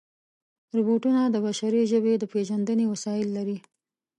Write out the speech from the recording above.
روبوټونه د بشري ژبې د پېژندنې وسایل لري.